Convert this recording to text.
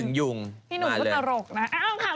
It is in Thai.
พี่หนูก็ตลกนะเอาคราวนี้ก่อน